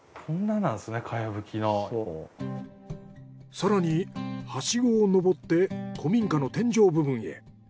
更にはしごを登って古民家の天井部分へ。